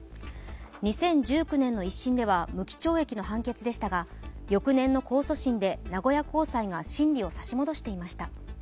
２０１９年の１審では無期懲役の判決でしたが、翌年の控訴審で名古屋高裁が審議を差し戻していました。